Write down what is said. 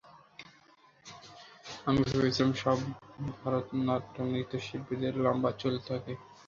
আমি ভেবেছিলাম সব ভারতনাট্যম নৃত্যশিল্পীদের লম্বা চুল থাকে।